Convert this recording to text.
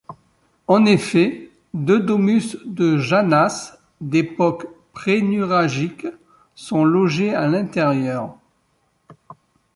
En effet, deux domus de Janas d'époque prénuragique sont logés à l'intérieur.